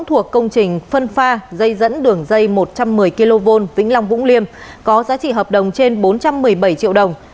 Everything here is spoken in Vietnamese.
thuộc công trình phân pha dây dẫn đường dây một trăm một mươi kv vĩnh long vũng liêm có giá trị hợp đồng trên bốn trăm một mươi bảy triệu đồng